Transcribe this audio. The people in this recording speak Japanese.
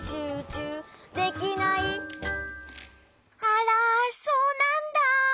あらそうなんだ。